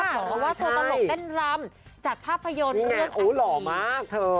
พ่อเบ้อลเป็นต้นหลบแฟนรำจากภาพยนตร์ดอันตี